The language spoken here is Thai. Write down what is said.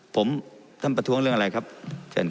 ผมท่านประท้วงเรื่องอะไรครับเชิญ